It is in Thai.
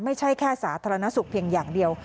ไม่ใช่แค่สาธารณสุขเพียงอย่างเดียว